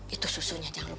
itu susunya jangan lupa